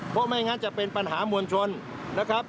เพราะไม่งั้นจะเป็นปัญหามวลชนนะครับ